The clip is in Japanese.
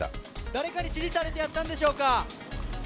誰かに指示されてやったんでしょうか？